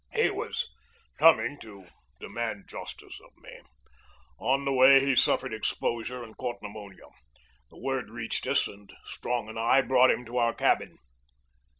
"He was coming to demand justice of me. On the way he suffered exposure and caught pneumonia. The word reached us, and Strong and I brought him to our cabin."